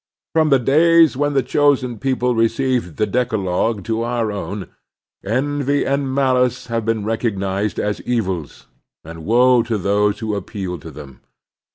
From the days when the chosen people re ceived the Decalogue to our own, envy and malice have been recognized as evils, and woe to those who appeal to them.